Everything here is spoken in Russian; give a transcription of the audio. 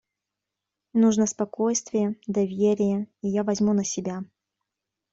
Нужно спокойствие, доверие, и я возьму на себя.